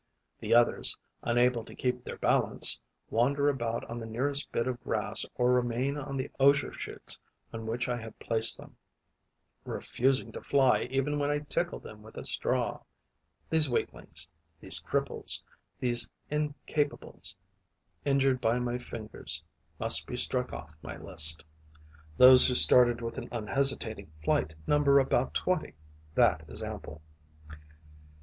The others, unable to keep their balance, wander about on the nearest bit of grass or remain on the osier shoots on which I have placed them, refusing to fly even when I tickle them with a straw. These weaklings, these cripples, these incapables injured by my fingers must be struck off my list. Those who started with an unhesitating flight number about twenty. That is ample.